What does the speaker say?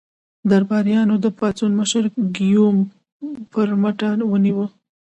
درباریانو د پاڅون مشر ګیوم برمته ونیو.